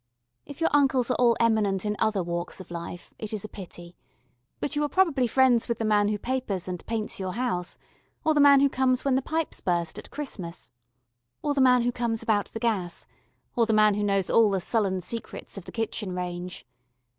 If your uncles are all eminent in other walks of life it is a pity, but you are probably friends with the man who papers and paints your house, or the man who comes when the pipes burst at Christmas, or the man who comes about the gas, or the man who knows all the sullen secrets of the kitchen range.